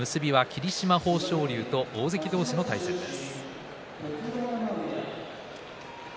結びは霧島、豊昇龍大関同士の対戦になります。